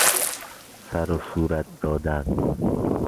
سروصورت دادن